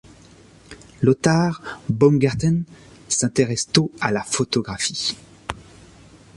Lothar Baumgarten s'intéresse tôt à la photographie.